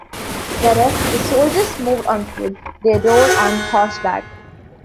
Whereas the soldiers moved on foot, they rode on horseback.